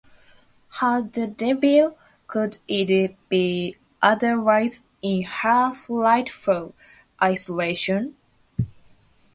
How the devil could it be otherwise in her frightful isolation?